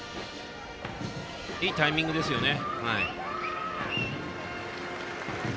いいタイミングですよね。